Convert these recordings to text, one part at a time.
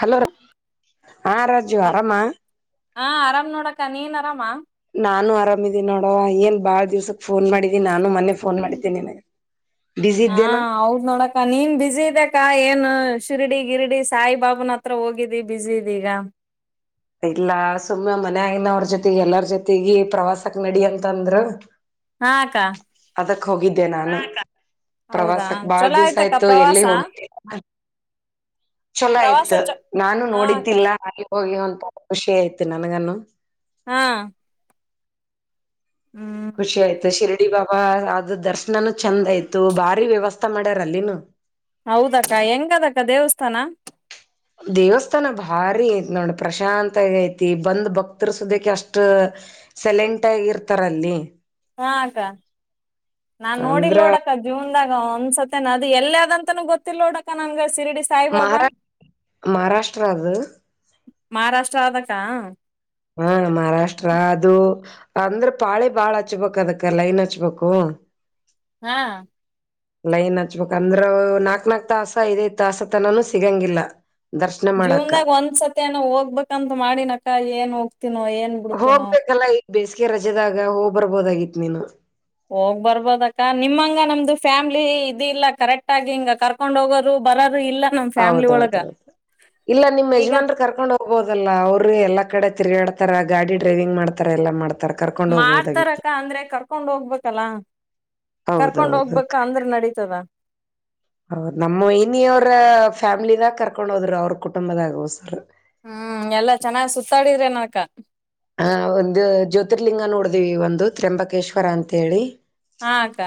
Hello ಆ ರಾಜಾಜು ಆರಾಮಾ ಹ ಆರಾಮ್ ನೋಡಕ್ಕ ನೀನ್ ಆರಾಮ ನಾನು ಆರಾಮಿದೀ ನೋಡವ ಏನ್ ಬಾಳ್ ದಿವ್ಸಕ್ ಫೋನ್ ಮಾಡಿದಿ ನಾನು ಮನೆ ಫೋನ್ ಮಾಡಿದ್ದೇನೆ ನಿನಗೆ ಬಿಸಿ ಇದ್ದೇನಾ ಅವೌದ ನೊಳ ಅ ನೀನ್ ಬಿಸಿ ಇದಕ್ಕಾ ಏನು ಶಿರಡಿ ಗಿರಡಿ ಸಾಯಿಬಾಬನ ಹತ್ರ ಹೋಗಿದಿ ಬಿಸಿಿ ಇದ ಈಗ ಇಲ್ಲ ಸುಮ್ಮ ಮನ್ಯಗನ ಅವ್ರ ಜೊತೆಗೆ ಎಲ್ಲರ ಜೊತೆಗೆ ಪ್ರವಾಸಕ್ ನಡಿ ಅಂತಂದ್ರು ಹಾ ಅಕ್ಕಾ ಅದಕ್ ಹೋಗಿದ್ದೆ ನಾನು ಹೌದಾ ಪ್ರವಾಸಕ್ ಬಾಳ್ ಚಲೋ ದಿವ್ಸ ಆಯ್ತಕ್ಕ ಆಯ್ತು ಎಲ್ಲಿ ಪ್ರವಾಸ ಹೋಗಿದ್ದೆ ಚಲೋ ಪ್ರವಾಸ ಆಯ್ತು ಚ ನಾನು ಹಾ ಅಕ್ಕ ನೋಡಿದ್ದಿಲ್ಲ ಹಾಗ ಹೋಗಿ ಅಂತ ಖುಷಿ ಆಯ್ತು ನನಗನ್ನು ಹಾ ಹ್ಮ್ ಖುಷಿ ಆಯ್ತು ಶಿರಡಿ ಬಾಬಾ ಅ ದರ್ಶನನುೂ ಚೆಂದ ಆಯ್ತು ಬಾರಿ ವ್ಯವಸ್ಥಾ ಮಾಡ್ಯಾರಲ್ಲಿನು ಹೌದಕ್ಕ ಹೆಂಗದಕ್ಕ ದೇವಸ್ಥಾನ ದೇವಸ್ಥಾನ ಭಾರಿ ನೋಡ್ರ ಪ್ರಶಾಂತಗ ಐತಿ ಬಂದು ಭಕ್ತರು ಸುದಕ್ಕೆ ಅಷ್ಟು ಸೆಲೆಂಟ್ ಆಗಿ ಇರ್ತಾರಲ್ಲಿ ಹಾಕ್ಕ ನಾ ನೋಡಿ ಅಂದ್ರ ನೋಡಕ್ ಜೀವನದಾಗ ಒಂದ್ಸತ್ತ ನ ಅದು ಎ ಅದಂತನೂ ಗೊತ್ತಿಲ್ಲ ನೋಡಕ ನನ್ಗೆ ಸಿರಿಡಿ ಮಹಾರಾಷ್ಟ ಮಹಾರಾಷ್ಟ್ರ ಅದು ಮಹಾರಾಷ್ಟ್ರ ಆದಕ್ಕ ಹಾ ಮಹಾರಾಷ್ಟ್ರ ಅದು ಅಂದ್ರ ಪಾಳೆ ಬಾಳ್ ಹಚ್ಬೇಕಕ್ ಅದಕ್ಕ ಲೈನ್ ಹಚ್ಬೇಕು ಹಾ ಲೈನ್ ಹಚ್ಬೇಕಕ್ ಅಂದ್ರ ನಾಕ್ ನಾಕ್ ತಾಸ ಐದಐದ ತಾಸತನಾನೂ ಸಿಗಂಗಿಲ್ಲ ದರ್ಶನ ಮಾಡಾಕ ಜೀವನ್ದಾಗ ಒಂದ್ಸತಿ ನ ಹೋಗ್ಬೇಕಂತ ಮಾಡಿನಕ ಏನ್ ಹೋಗ್ತನೋ ಏನ್ ಬಿಡ್ತೀನೋ ಹೋಗ್ಬೇಕಲ್ಲಾ ಈ ಬೇಸಿಗೆ ರಜೆದಾಗ ಹೋಗ್ ಬರ್ಬೋದಾಗಿತ್ ನೀನು ಹೋಗ್ ಬರ್ಬೋದ ಅಕ್ಕ ನಿಮ್ಮಂಗ ನಮ್ದು ಫ್ಯಾಮ್ಲಿ ಇದ ಇಲ್ಲ ಕರೆಕ್ಟ್ ಆಗಿ ಹಿಂಗ ಕಕ್ ಕಕೊಂಡ್ ಹೋಗೋರು ಬರೋದು ಇಲ್ಲ ನಮ್ ಫ್ಯಾಮ್ಲಿ ಒಳಗ ಹೌದೌದೌದು ಇಲ್ಲ ನಿಮ್ಮ್ ಈಗ ಯಜಮಾನ್ರು ಕರ್ಕೊಂಡ ಹೋಗ ಎಲ್ಲಾ ಮಾಡ್ತಾರ ಹೋಗಲ್ಲೆ ಅವರೇ ಎಲ್ಲಾ ಕಡೆ ತಿರುಗಾಡ್ತಾರೆ ಗಾಡಿ ಡ್ರೈವಿಂಗ್ ಮಾಡ್ತಾರೆ ಮಾಡ್ತಾರಪ್ಪ ಅಂದ್ರೆ ಕರ್ಕೊಂಡ್ ಕರ್ಕೊಂಡು ಹೋಗ್ಬೇಕಲ್ಲ ಕರ್ಕೊಂಡು ಹೌದೌದು ಹೋಗ್ಬೇಕು ಅಂದ್ರೆ ನಡೆಯುತ್ತದೆ ನಮ್ಮ ಇನ್ನರ್ ಫ್ಯಾಮಿಲಿ ಅವರು ಕರೆದುಕೊಂಡು ಹೋದರು ಕುಟುಂಬದ ಹಾಗೆ ಹೋಸ್ರು ಹ್ಮ್ಎಲ್ಲ ಚೆನ್ನಾಗ್ ಸುತ್ತಾಡಿದ್ರೇನಕ್ಕ ಒಂದು ಜ್ಯೋತಿರ್ಲಿಂಗ ನೋಡಿದ್ವಿತ್ರ್ಯಂಬಕೇಶ್ವರಅಂತೇಳಿ ಹಾ ಅಕ್ಕ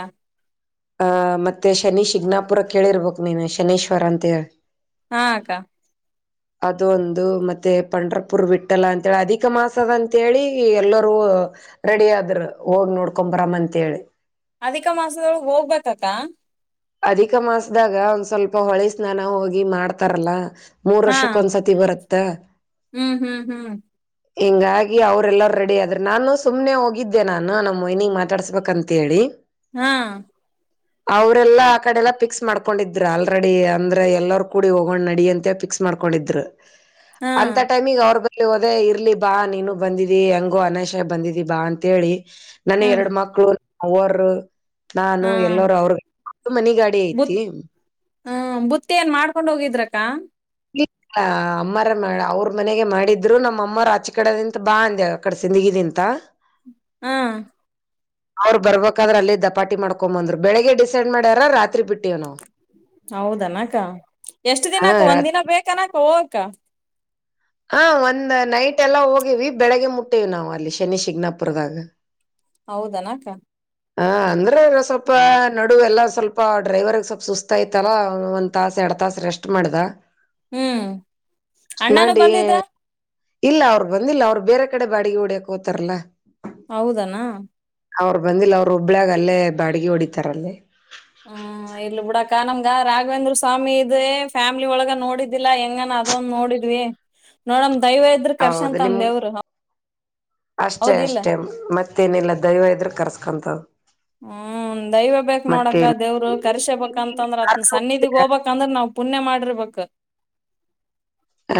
ಶನಿ ಶಿಗ್ನಾಾಪುರ ಕೇಳಿರ್ಬೇಕಕ್ ನೀನು ಶನೇಶ್ವರ ಅಂತ ಹೇಳಿ ಆ ಮತ್ತೆ ಶನಿ ಶಿಗ್ನಾಸ್ಪುರ ಅಂತ ಕೇಳಿರಬೇಕು ಶನೇಶ್ವರ ಅಂತ ಹಾ ಅಕ್ಕ ಅದು ಒಂದು ಮತ್ತೆ ಪಂಡ್ರಪುರ್ ಬಿಟ್ಟಲ್ಲ ಅಂತೇಳಿ ಅಧಿಕ ಮಾಸ ತದ ಅಂತೇಳಿ ಎಲ್ಲರೂ ರೆಡಿ ಆದರು ಹೋಗಿ ನೋಡ್ಕೊ ಬರಾಮ ಅಂತೇಳಿ ಅಧಿಕಮಾಸದಲ್ಲಿ ಹೋಗಬೇಕಾ ಅಧಿಕಮಾಸದಲ್ಲಿ ಹೋಗಿ ಒಂದು ಸ್ವಲ್ಪ ಉಳಿ ಸ್ಥಾನ ಮಾಡ್ತಾರಲ್ಲ ಮೂರು ಹಾ ವರ್ಷಕ್ಕೊಂದು ಸತಿ ಬರುತ್ತೆ ಹ್ಮ್ ಹ್ಮ್ ಹ್ಮ್ ಹಿಂಗಾಗಿ ಅವ್ರೆಲ್ಲಾರ ರೆಡಿ ಆದ್ರರು ನಾನು ಸುಮ್ನೆ ಹೋಗಿದ್ದೆ ನಾನು ನಮ್ಮನಗ್ ಮಾತಾಡ್ಸ್ಬೇಕಂತ ಅಂತ ಹೇಳಿ ಹ್ಮ ಅವೌದು [unintelligible] ಅವ್ರ ಎಲ್ಲ ಆ ಕಡೆ ಎಲ್ಲ ಫಿಕ್ಸ್ ಮಾಡ್ಕೊಂಡಿದ್ರು ಆಲ್ರೆಡಿ ಅಂದ್ರೆ ಎಲ್ಲರು ಕೂಡಿ ಹೋಗೊಂಡ್ ನಡಿ ಅಂತೆ ಫಿಕ್ಸ್ ಮಾಡ್ಕೊಂಡಿದ್ರು ಹಾ ಅಂತ ಟೈಮಿಗ್ ಅವರು ಬರೋ ಹೋದೇ ಇರ್ಲಿ ಬಾ ನೀನು ಬಂದಿದಿ ಹೆಂಗು ಅನೇಶ ಬಂದಿದಿ ಬಾ ಅಂತ ಹೇಳಿ ನಾನು ನನ್ನ ಹ್ಮ್ ಎರಡು ಮಕ್ಕಳು ಅವರು ನಾನು ಹಾ ಎಲ್ಲರೂ ಮನೆ ಗಾಡಿ ಐತಿ ಹ್ಮ ಬುತ್ತಿ ಏನ್ ಮಾಡ್ಕೊಂಡ್ ಹೋಗಿದ್ರಕ್ಕಾ ಇ ಅಮ್ಮರ ಮಾಡ ಅವ್ರ ಮನೆಗೆ ಮಾಡಿದ್ರು ನಮಮ್ಮ ಅಮ್ಮರು ಆಚ ಕಡದಂತ ಬಾ ಅಂದ ಅಕ್ಕಡೆ ಜಿಂದಗಿ ದಂತ ಹಾ ಅವ್ರು ಬರ್ಬೇಕಾದ್ರ ಅಲ್ಲಿ ದಪಾಟಿ ಮಾಡಕೊಂಡೊಂಬಂದ್ರು ಬೆಳಗ್ ಡಿಸೈಡ್ ಮಾಡ್ಯಾರ ರಾತ್ರಿ ಬಿಟ್ಟ ಹೌದನಾಕ್ಕ ಎಷ್ಟ ಹಾ ದಿನಕ್ಕ ಒಂದ ರಾತ್ ದಿನ ಬೇಕನಾಕ ಹೋಗಕ್ಕ ಹಾ ಒಂದ್ ನೈಟ್ ಎಲ್ಲ ಹೋಗಿವವಿ ಬೆಳಿಗ್ಗೆ ಮುಟ್ಟೇವಿ ನಾವವು ಅಲ್ಲಿ ಶನಿ ಶಿಗ್ನಾಾಪುರ್ದಾಗ ಹೌದನಾಕ್ಕ ಹ ಅಂದ್ರೆ ಸ್ವಲ್ಪ ನಡು ಎಲ್ಲ ಸ್ವಲ್ಪ ಡ್ರೈವರ್ ಸ್ವಲ್ಪ ಸುಸ್ತ ಇತಲ್ಲ ಒ ತಾಸ ಎರಡ್ ತಾಸ ರೆಸ್ಟ್ ಮಾಡ್ದ ಹ್ಮ್ ರೆಸ್ಟ್ ಅಣ್ಣಾನು ಮಾಡಿ ಬಂದಿದ್ದ ಇಲ್ಲ ಅವ್ರು ಬಂದಿಲ್ಲ ಅವ್ರ ಬೇರೆ ಕಡೆ ಬಾಡಿಗೆ ಹೊಓಡಿಯಕ್ ಹೋತಾರಲ್ಲಾ ಹೌದನಾ ಅವರು ಬಂದಿಲ್ಲ ಅವರು ಹುಬ್ಬಳ್ಳಿಅಲ್ಲೇ ಬಾಡಿಗೆ ಹೊಡಿತಾರಲ್ಲೇ ಹ ಇಲ್ ಬಿುಡಕ ನಮಂಗ ರಾಘವೇಂದ್ರ ಸ್ವಾಮಿ ಇದೇ ಫ್ಯಾಮಿಲಿ ಒಳಗ ನೋಡಿದ್ದಿಲ್ಲಾ ಹ ಅದೊಂದ್ ನೋಡಿದ್ವಿ ನೋಡಮ್ ದೈವ ಇದ್ರರು ಕರ್ಶಾಂತ ಹೌದು ಅಂದ ನಿಮ್ ದೇವ್ರ ಅಷ್ಟೇ ಅಷ್ಟೇ ಮತ್ತೇನಿಲ್ಲ ದೈವ ಇದ್ರ ಕರ್ಸ್ಕೊಂತ ಹ್ಮ್ ದಯವ ಬೇಕಕ್ ನೋಡಕ್ಕ ದೇವ್ರ ಕರ್ಸೇಬೇಕಂತಂದ್ರ ಅತ್ನ ಸನ್ನಿಧಿಗ್ ಹೋಗಬಬೇಕಂದ್ರ ನಾವ್ ಪುಣ್ಯ ಮಾಡಿರ್ಬೇಕು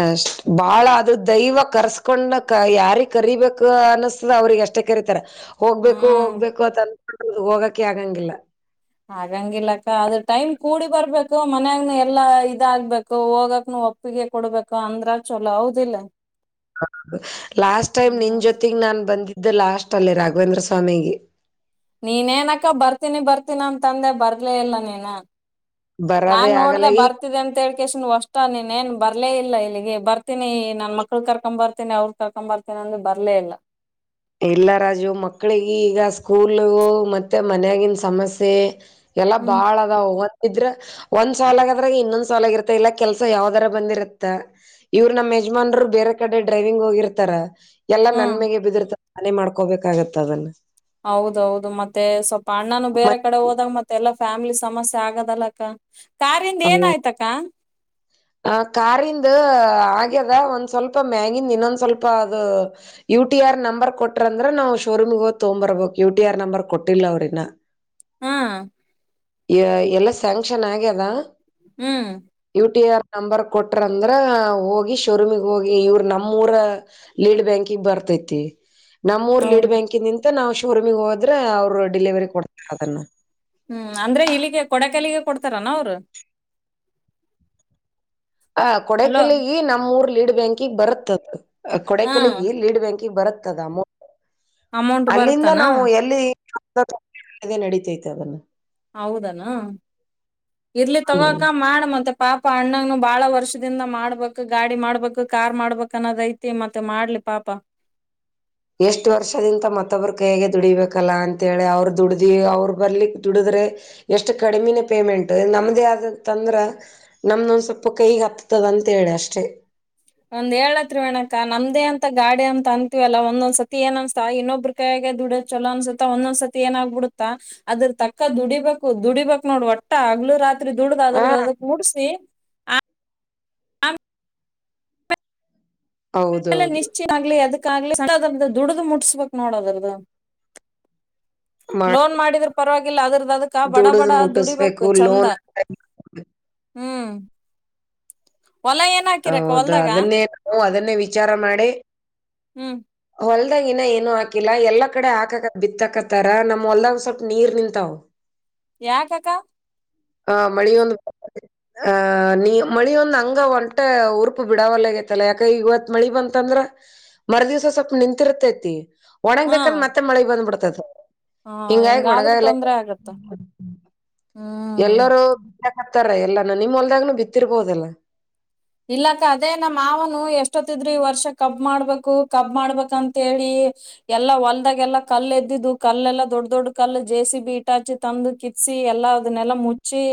ಅಷ್ಟ ಬಾಳ ಅದು ದೈವ ಕರ್ಸ್ಕೊಂಡ ಯಾರಿ ಕರೀಬೇಕು ಅನ್ನಸ್ತದ ಅವ್ರಿಗೆ ಅಷ್ಟೆ ಕರತಾರ ಹೋಗ್ಬೇಕು ಹ್ಮ್ ಹೋಗ್ಬೇಕು ಅ ಅನ್ ಹೋಗಕ್ಕೆ ಆಗಂಗಿಲ್ಲ ಹಾಗಗಂಗಿಲ್ಲಕ್ಕ ಅದ್ ಟೈಮ್ ಕೂಡಿ ಬರ್ಬೇಕು ಮನ್ಯಾಗ್ನ ಎಲ್ಲಾ ಇದಾಗಬೇಕು ಹೋಗಕ್ನು ಒ ಓಪ್ಪಿಗೆ ಕೊಡ್ಬೇಕು ಅಂದ್ರ ಚಲೋ ಹೌದಿಲ್ಲ ಹೌದು ಲಾಸ್ಟ್ ಟೈಮ್ ನಿನ್ ಹ್ಮ್ ಜೊತೆಗ್ ನಾನ್ ಬಂದಿದ್ದೆ ಲಾಸ್ಟ್ ಅಲ್ಲೇ ರಾಘವೇಂದ್ರ ಸ್ವಾಮಿಗೆ ನೀನ್ನಕ್ಕ ಬರ್ತೀನಿ ಬರ್ತೀನಿ ನನ್ ತಂದೆ ಬರ್ಲೇ ಇಲ್ಲ ನೀನ ನಾನ್ ಬರೋದೇ ನೋಡ್ದ ಆಗಲ್ಲ ಈ ಬರ್ತ ಅಂತೇಳ್ಕ ಅಷ್ಟ ನೀನ್ ಏನ್ ಬರ್ಲೇ ಇಲ್ಲ ಇಲ್ಲಿಗೆ ಬರ್ತೀನಿ ನನ್ ಮಕ್ಕಳು ಕರ್ಕೊಂಡು ಬರ್ತೀನಿ ಅವ್ರ ಕರ್ಕೊಂಡು ಬರ್ತೇನೆ ಅಂದಂದು ಬರ್ಲೇ ಇಲ್ಲ ಇಲ್ಲ ರಾಜು ಮಕ್ಕಳಿಗೆ ಈಗ ಸ್ಕೂಲು ಮತ್ತೆ ಮನೆಗಿನ ಸಮಸ್ಯೆ ಎಲ್ಲಾ ಹ್ಮ್ ಬಾಳ ಇದ್ರೆ ಒಂದ್ ಸಾಲಗದ್ರೆ ಇನ್ನೊಂದ್ ಸಾಲ ಆಗಿರತ್ತೆ ಇಲ್ಲ ಕೆಲ್ಸ ಯಾವ್ದರ ಬಂದಿರತ್ತ ಇವರು ನಮ್ಮ ಯಜಮಾನ್ರು ಬೇರೆ ಕಡೆ ಡ್ರೈವಿಂಗ್ ಹೋಗಿರ್ತಾರ ಎಲ್ಲಾ ಹ್ಮ್ ನನ್ಮಗೆ ಬಿದಿರ್ತ ನಾನೇ ಮಾಡ್ಕೋಬೇಕಾಗತ್ತತ್ ಅದನ್ನ ಹೌದೌದು ಮತ್ತೆ ಸ್ವಲ್ಪ ಅಣ್ಣನು ಬೇರೆ ಕಡೆ ಹೋದಾಗ ಮತ್ತೆ ಎಲ್ಲಾ ಫ್ಯಾಮಿಲಿ ಸಮಸ್ಯೆ ಆಗದಲ್ಲಕ್ಕ ಕಾರಿಂದ ಏನಯ್ತಕ್ಕ ಆ ಕಾರಿಂದ ಆಗ್ಯದ ಒಂದ್ ಸ್ವಲ್ಪ ಮ್ಯಾಗಿಂದ್ ಇನ್ನೊಂದ್ ಸ್ವಲ್ಪ ಅದು ಯು ಟಿ ಆರ್ ನಂಬರ್ ಕೊಟ್ರಂದ್ರೆ ನಾವು ಶೋರೂಮ್ಗೆ ಹೊಗ ತೊಗೊಂಡು ಬರಬೇಕು ಯು ಟಿ ಆರ್ ನಂಬರ್ ಕೊಟ್ಟಿಲ್ಲ ಅವ್ರನ್ನ ಹ್ಮ್ ಎಲ್ಲ ಸ್ಯಾಂಕ್ಷನ್ ಆಗ್ಯದ ಹ್ಮ್ ಯು ಟಿ ಆರ್ ನಂಬರ್ ಕೊಟ್ರಂದ್ರ ಹೋಗಿ ಶೋರೂಮಗ್ ಹೋಗಿ ಇವ್ರ ನಮ್ಮೂಊರ ಲೀಡ್ ಬ್ಯಾಂಕಿಂಗ್ ಬರ್ತೈತಿ ನಮ್ಮೂರ್ ಹೌದು ಲೀಡ್ ಬ್ಯಾಂಕಿ ನಿದ ನಾವು ಶೋರೂಮಿಗೆ ಹೋದ್ರೆ ಅವರು ಡಿಲಿವರಿ ಕೊಡ್ತ ಅದನ್ನ ಹ್ಮ್ ಅಂದ್ರೆ ಇಲ್ಲಿಗೆ ಕೊಡಕೈಲಿಗೆ ಕೊಡ್ತಾರಾನ ಅವ್ರು ಆ ಕೊಡಕಲ್ಲಿಗ ನಮ್ಮರ್ ಲೀಡ್ ಬ್ಯಾಂಕಿಗೆ ಬರತ್ ಹಾ ಕೊಡಕಲಿಗೆ ಲೀಡ್ ಬ್ಯಾಂಕಿಗೆ ಬರುತ್ತದೋ ಅಲ್ಲಿಂದ ಬರುತ್ತನ ನಾವು ಎಲ್ಲಿ [inaudible] ಅದನ್ನು ಹೌದನಾ ಇರ್ಲಿ ಹ್ಮ್. ತಗಕ ಮಾಡ ಮತ್ತ ಪಾಪ ಅಣ್ಣಂಗನು ಬಾಳ ವರ್ಷದಿಂದ ಮಾಡ್ಬೇಕು ಗಾಡಿ ಮಾಡ್ಬೇಕು ಕಾರ್ ಮಾಡ್ಬೇಕಕ್ ಅನ್ನೋದ್ ಐತಿ ಮತ್ತೆ ಮಾಡ್ಲಿ ಪಾಪ ಎಷ್ಟು ವರ್ಷದಿಒಂದ ಮತ್ತೊಬ್ಬ್ರ ಕ ಹೇಗೆ ದುಡಿಬೇಕಲ್ಲ ಅಂತೇಳಿ ಅವ್ರು ದುಡ್ದಿ ಅವ್ರು ಬರ್ಲಿಕ್ ದುಡಿದ್ರೆ ಎಷ್ಟು ಕಡಿಮಿನ ಪೇಮೆಂಟ್ ನಮ್ದೇ ಆದಂತಂದ್ರ ನಮ್ದೊಂದು ಸ್ವಲ್ಪ ಕೈಗೆ ಹತ್ತತದ ಅಂತೇಳಿ ಅಷ್ಟೇ ಒಂದ್ ಹೇಳತ್ರರಿ ವಣಕ ನಮ್ದೇ ಅಂತ ಗಾಡಿ ಅಂತ ಅಂತೀವಲ್ಲ ಒಂದೊಂದ್ಸತಿ ಏನ್ ಅನ್ಸ ಇನ್ನೊಬ್ರ ಯಾಗೆ ದುಡ್ಡೋ ಚೊಲೋ ಅನ್ಸುತ್ತೆ ಒಂದೊಂದ್ಸತಿ ಏನಾಗ್ಬ ಬಿಡುತ್ತಾ ಅದ್ರ ತಕ್ಕ ದುಡಿಬೇಕು ದುಡಿಬೇಕಕ್ ನೋಡ್ ಒಟ್ಟ ಆಗ್ಲು ರಾತ್ರಿ ದುಡ್ದ್ ಆ ಅದ್ರದ ಅದಕ್ ಮುಟ್ಸಿ ಹೌದೌದು ಚ ಆಗ್ಲಿ ಅದಕ್ಕಾಗ್ಲಿದ ದುಡ್ದು ಮುಟ್ಟಿಸಸ್ಬೇಕಕ್ ನೋಡೋದ್ರದದು ಮಾಡ ಲೋನ್ ಮಾಡಿದ್ರ ಪರವಾಗಿಲ್ಲ ಅದ್ರದ ಅದಕ ಬಡ ಬಡ ದುಡದ್ ಮುಟ್ಟಿಸ್ಬೇಕು ದುಡಿಬೇಕು ಚಂದ ಲೋನ್ ಹ್ಮ್ ಹೊಲ ಏನ ಹೌದು ಅದನ್ನೇ ಅದನ್ನೇ ವಿಚಾರ ಮಾಡಿ ಹ್ಮ್ ಹೊಲ್ದಾಗ ಇನ ಏನು ಹಾಕಿಲ್ಲ ಎಲ್ಲಾ ಕಡೆ ಹಾಕಕ ಬಿತ್ತಾಕತ್ತಾರ ನಮಮ್ಮ ಹೊಲ್ದಾಗ್ ಸ್ವಲ್ಪ ನೀರ್ ನಿಂತಾವ್ ಯಾಕ ಅಕ್ಕ ಹಾ ಮಳಿ [inaudible] ಆಹ ನೀ ಮಳಿದ್ ಹಂಗ ಒಂಟ ಉರುಪು ಬಿಡಾವಲ್ಲ ಆಗೈತ್ತಲ್ಲ ಯಾಕ ಇವತ್ತು ಮಳಿ ಬಂತಂದ್ರ ಮರದಿವ್ಸ ಸ್ವಲ್ಪ ನಿಂತಿರ್ತೈತಿ ಹ್ಮ್ ಒಣಗ್ಬೇಕೇಕಂದ ಮತ್ತೆ ಮಳೆ ಬಂದ್ಬಿಡ್ತದ ಹ ಹಿಂಗಾಗ್ ಹಿಂಗಾದ್ರ ಒಣಗಲ್ಲ ತೊಂದ್ರೆ ಆಗತ್ತ ಹ್ಮ್ ಎಲ್ಲರೂ ಬಿಕ್ ಹತಾರೆ ಎಲ್ಲಾನ ನಿಮ ಹೊಲ್ದಾಗ್ನನು ಬಿತ್ತಿರ್ಬೋದಲ್ಲಾ ಇಲ್ಲಾಕ್ಕ ಅದೇ ನಮ್ ಮಾವನು ಎಷ್ಟೊತ್ತಿದ್ರಿ ವರ್ಷ ಕಬ್ ಮಾಡ್ಬೇಕು ಕಬ್ ಮಾಡ್ಬೇಕಂತ ಹೇಳಿ ಎಲ್ಲಾ ಹೊಲ್ದಾಗೆಲ್ಲಾ ಕಲ್ಲ ಎದ್ದಿದ್ದು ಕಲ್ಲೆಲ್ಲ ದೊಡ್ಡ ದೊಡ್ ಕಲ್ಲು ಜೇಸಿ ಬಿ ಈಟಾಚ ನಮ್ದು ಕಿತ್ಸಿ ಯಲ್ಲ ಅದ್ನೇಲ್ಲ ಮುಚ್ಚಿಸಿ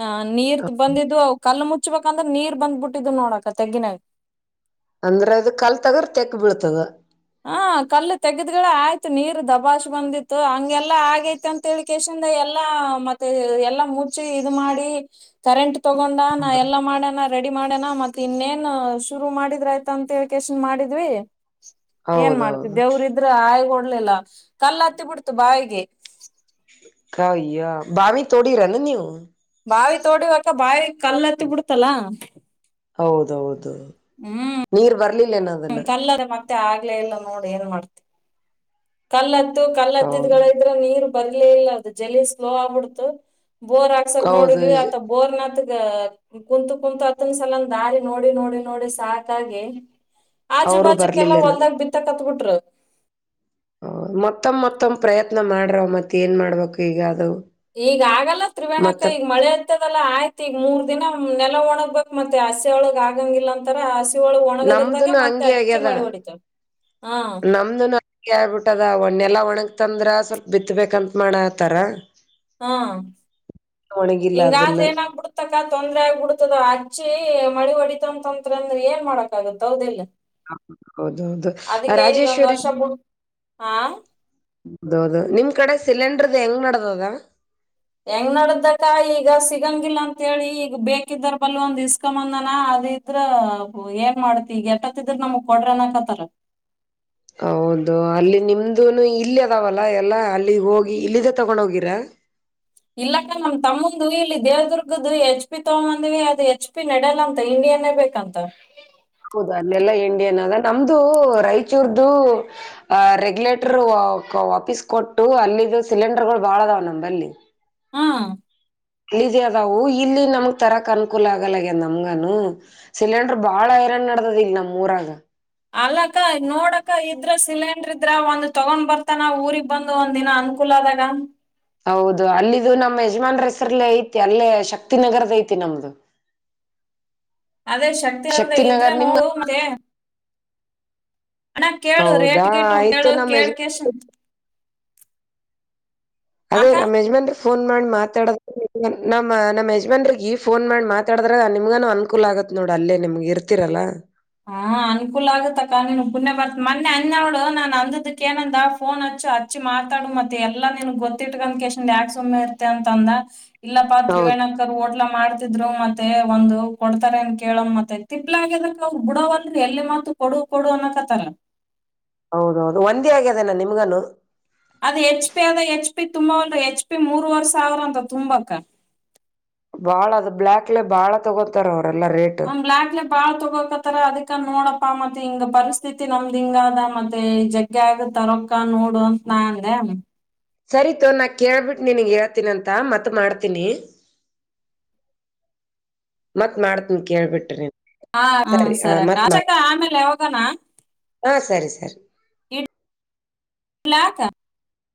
ಹ ನೀರ್ ಬಂದಿದ್ದು ಕಲ್ಲು ಮುಚ್ಬೇಕಂದ್ರೆ ನೀರ್ ಬಂದ್ಬ ಬಿಟ್ಟಿದ್ದು ನೋಡಕ ತೆಂಗಿನಾಗ ಅಂದ್ರ ಅದು ಕಲ್ ತಗ್ರ ತೆಕ್ ಬೀಳ್ತ ಅದು ಹ ಕಲ್ಲು ತೆಗದ್ಗಳ ಆಯ್ತು ನೀರ್ ದಬಾಸ್ ಬಂದಿತ್ತು ಹಂಗೆಲ್ಲಾ ಆಗೇತಿ ಅಂತ [unintelligible] ಎಲ್ಲಾ ಮತ್ತೆ ಎಲ್ಲ ಮುಚ್ಚಿ ಇ ಮಾಡಿ ಕರೆಂಟ್ ತಗೊಂಡ. ಎಲ್ಲಾ ಮಾಡ್ಯನ ರೆಡಿ ಮಾಡ್ಯನ ಮತ್ ಇನ್ನೇನ್ ಶುರು ಮಾಡಿದ್ರ ಆಯ್ತಾ ಅಂತ ವಿಕೇಶನ್ ಮಾಡಿದ್ವಿ. ಏನ್ ಮಾಡ್ತ ಹೌದೌದು ದೇವ್ರ ಇದ್ರ ಆಯಗ್ ಓಡ್ಲಿಲ್ಲ ಕಲ್ಲ ಹತ್ತಿ ಬಿಡ್ತು ಬಾವಿಗೆ ಕೌಯ ಬಾವೀ ತೋಡಿ ರನ್ನ ನೀವು ಬಾವಿ ತೋಡಿವಕ್ಕ ಬಾವಿ ಕಲ್ಲತ್ತಿ ಬಿಡ್ತಲ್ಲಾ ಹೌದೌದು ಹ್ಮ್ ನೀರ್ ಬರಲಿಲ್ಲ ಏನ ಅದನ್ನ ಕಲ್ಲದೆ ಮತ್ತೆ ಆಗ್ಲೇ ಇಲ್ಲ ನೋಡ್ ಏನ್ ಮಾಡ್ತವಿ ಕಲ್ಲತ್ತು ಹೌದು ಕಲ್ಲತ್ತಿದ್ಗಳ ಇದ್ರೆ ನೀರು ಬರ್ಲೇ ಇಲ್ಲ ಅದು ಜಲ್ಲಿ ಸ್ಲೋ ಆಗ್ಬಿಡ್ತು ಬೋರ್ ಹಾ ಕಸಕ್ ಹೌದು ನೋಡಿದ್ವಿ ಆತ ಬೋರ್ನಾಥಗ ಕುಂತು ಕುಂತು ಅತ್ತನ ಸಲಂದ ದಾರಿ ನೋಡಿ ನೋಡಿ ನೋಡಿ ಸಾಕಾಗಿ ಆಜು ಅವರು ಬಾಜುಕ ಎಲ್ಲಾ ಬರ್ಲಿಲ್ಲೇನ. ಹೊಲ್ದಾಗ ಬಿತ್ತಕತ್ಬಿಟ್ರು ಹ ಮತ್ತೊಮ್ಮ್ ಮತ್ತೊಮ್ಮ ಪ್ರಯತ್ನ ಮಾಡ್ರವ ಮತ್ತೆ ಏನ್ ಮಾಡ್ಬೇಕು ಈಗ ಅದು ಈಗ ಆಗಲ್ಲ ತ್ರಿವೇಣಕ್ಕ ಮತ್ತ ಈಗ ಮಳೆ ಇದಲ್ಲ ಆಯ್ತ ಈಗ ಮೂರ್ ದಿನ ನೆಲ ಒಣಗ್ಬೇಕ್ ಮತ್ತೆ ಹಸಿ ಒಳಗ್ ಆಗಂಗಿಲ್ಲ ಅಂತರ [unintelligible] ಒಣಗದ್ರದಾಗೆ ನಮ್ದುನು ಮತ್ತೆ ಹಂಗೆ ಅಚ್ಚಿ ಆಗ್ಯದ ಮಳೆ ಹೊಡಿತಳ ಹಾ ನಮ್ದುನು ಕೇಳ್ಬಿಟ್ಟದ ಒಣ್ಣೆಲ್ಲಾ ಒಣಗ್ ತಂದ್ರ ಸ್ವಲ್ಪ ಬಿತ್ತಬೇಕಂತ್ ಮಾಡತಾರ. ಹಾ ಒಣಗಿಲ್ಲ ಅದನ್ನ ಇಂಗಾದ್ರೆ ಏನ್ ಆಗ್ಬಿಡುತ್ ತಕ ತೊಂದರೆ ಆಗ್ಬ ಬಿಡ್ತದ ಅಜ್ಜಿ ಮಳಿ ಹೊಡಿತ ತೊಂದ್ರ ಅಂದ್ರೆ ಏನ್ ಮಾಡಕ ಆಗುತ್ತ ಹೌದಿಲ್ಲ ಹ ಹೌದ ಹೌದು ಅದಕ್ಕೆ ಇದೊಂದ್ ರಾಜೇಶ್ವರಿ ವರ್ಷ ಬಿಟ್ ಹಾ ಹೌದೌದು ನಿಮ್ ಕಡೆ ಸಿಲಿಂಡರ್ದ ಹೆಂಗ್ ನಡದದ ಹೆಂಗ್ ನಡದ್ದಕ್ಕ ಈಗ ಸಿಗಂಗಿಲ್ಲ ಅಂತೇಳಿ ಈಗ ಬೇಕಿದ್ದರ್ ಬಲ್ ಒಂದ್ ಇಸ್ಕೊಂದನ ಅದ ದ್ರ ಏನ್ ಮಾಡ್ತಿ ಈಗ ಎತ್ತತ್ತಿದ್ರ ನಮಗ್ ಕೊಡ್ರ ಅನಕತ್ತಾರ ಹೌದು ಅಲ್ಲಿ ನಿಮ್ದ ಇಲ್ಲ ಅದಾವಲ್ಲ ಎಲ್ಲ ಅಲ್ಲಿ ಹೋಗಿ ಇಲ್ಲದೆ ತಗೊಂಡ ಹೋಗಿರಾ ಇಲ್ಲಕ್ಕ ನಮ್ಮ್ ತಮ್ಮಂದು ಇಲ್ಲಿ ದೇವದುರ್ಗ್ದ ಹೆಚ್ ಪಿ ತಕೊಂದು ಬಂದಿನಿ ಅದು ಹೆಚ್ ಹೇಚ್ ಪಿ ನಡಿಯಲ್ಲ ಅಂತ ಇಂಡಿಯನ್ನೆ ಬೇಕಂತ ಹೌದ ಅಲ್ಲೆಲ್ಲಾ ಇಂಡಿಯನ್ ಅದ ನಮ್ದು ರಾಯಚೂರ್ದು ಅಹ ರೆಗ್ಯುಲೇಟರ್ ವಾಪೀಸ್ ಕೊಟ್ಟು ಅಲ್ಲಿದ್ದ ಸಿಲಿಂಡರ್ಗಳು ಬಾಳ ಅದಾವ ನಂಬಲಿ ಹ್ಮ್ ಈಜಿ ಅದವು ಇಲ್ಲಿ ನಮಗ್ ತರಕ್ ಅನುಕೂಲ ಆಗಲ್ಲಗ ನಮ್ಗನು ಸಿಲಿಂಡರ್ ಬಾಳ ಐರನ್ ನಡ್ದದ್ ಇಲ್ ನಮ್ ಊರಾಗ ಅಲ್ಲಕ್ಕ ನೋಡಕ್ಕ ಇದ್ರ ಸಿಲಿಂಡ್ರ ಇದ್ರ ಒಂದ್ ತಗೊಂಡ್ ಬರ್ತಾನಾವ ಊರಿಗೆ ಬಂದು ಒಂದ ದಿನ ಅನುಕೂಲ ಆದಾಗ ಹೌದು ಅಲ್ಲಿದು ನಮ್ಮ ಯಜಮಾನ್ ರ ಹೆಸರ್ಲ್ಲ ಐತಿ ಅಲ್ಲೇ ಶಕ್ತಿನಗರದ ಐತಿ ನಮ್ದು ಅದೇ ಶಕ್ತಿ ಹರ್ದ ಇದ್ರೆ ನಗರ್ ನಿಮ್ಗ ನೋಡು ಮತೆ. ಅಣ್ಣ ಕೇಳು ರೇಟ್ ಹೌದಾ ಗಿಟ್ಟು ಆಯ್ತು ಕೇಳು ನಮ್ ಯಜ ಕೇಳಕೆಸನ್. ಅದೇ ನಮ್ ಯಜಮಾನ್ರು. ಫೋನ್ ಮಾಡಿ ಮಾತಾಡ ನಮ್ಮ ನಮ್ಮ ಯಜಮಾನ್ರಿಗೆ ಫೋನ್ ಮಾಡಿ ಮಾತಾಡಿದ್ರಾಗ ನಿಮ್ಗೂ ಅನುಕೂಲ ಆಗುತ್ತೆ. ನೋಡ್ ಅಲ್ಲೇ ನಿಮ್ಗೆ ಇರ್ತಿರಲ್ಲ. ಹಾ ಅನ್ಕೂಲ ಆಗತ್ತಕ್ಕ ನೀನ್ ಪುಣ್ಯ ಬರ್ತಾ ಮೊನ್ನೆ ಅಂದಿನ ನೋಡು ನಾನ್ ಅಂದದಕ್ಕೆ ಏನಂದ ಫೋನ್ ಹಚ್ಚು. ಅಚ್ಚಿ ಮಾತಾಡು ಮತ್ತೆ ಎಲ್ಲಾ ನಿನ್ಗ್ ಗೊತ್ತಿಟ್ಕನ್ ಕೇಸಿನು ಯಾಕ ಸುಮ್ಮನೆ ಇರ್ತೆ ಅಂತ ಅಂದ. ಇಲ್ಲಪ್ಪಾ ಹೌದು ತ್ರಿವೇಣಿ. ಓಟ್ಲಾ ಮಾಡ್ತಿದ್ರು ಮತ್ತೆ ಒಂದು ಕೊಡ್ತಾರ ಅನ್ ಕೇಳ ಮತ್ತೆ ತಿಪ್ಲ ಆಗ್ಯದ. ಅವು ಬಿಡವಾಲ್ರು ಎಲ್ಲಿಮತ ಕೊಡು ಕೊಡು ಅನ್ನಕತ್ತರ. ಹೌದೌದು ಒಂದೇ ಆಗ್ಯ ಅದೇನ ನಿಮ್ಗನು. ಅದ್ ಹೆಚ್ ಪಿ ಅದ ಹೆಚ್ ಪಿ ತುಂಬಾ ಒಂದು ಎಚ್ ಪಿ ಮೂರ್ವರೆ ಸಾವಿರ ಅಂತ ತುಂಬಾಕ. ಬಾಳ ಅದು ಬ್ಲಾಕ್ಲೆೇ ಬಾಳ ತಗೊಂತತಾರ ಅವರೆಲ್ಲ ರೇಟ್ ಅವ್ನ್ ಬ್ಲ್ಯಾಕ್ಲೆ. ಬಾಳ್ ತಗೋಕತಾರ ಅದಕ ನೋಡಪ್ಪಾ ಮತ್ತೆ ಹಿಂಗ್ ಪರಿಸ್ಥಿತಿ ನಮ್ದ್ ಹಿಂಗ ಆದ ಮತ್ತೆ ಜ ಆಗುತ್ತೆ ರೊಕ್ಕ ನೋಡು ಅಂತ ನಾ ಅಂದೆ. ಸರಿ ತುಗೊ ನಾ ಕೇಳ್ಬಿಟ್ಟು ನೀನ್ಗೆ ಹೇಳ್ತೀನಿ ಅಂತ ಮತ್ತ ಮಾಡ್ತೀನಿ. ಮತ್ ಮಾಡ್ತನಿ ಕೇಳ್ಬಿಟ್ರ ನಿಂಗ. ಹ ಹ ಸರಿ ಹಚ್ಚಕ್ಕ ಆಮೇಲೆ ಯಾವಾಗನಾ. ಹಾ ಸರಿ ಸರಿ. ಇಡ್ಲಕ್ಕ.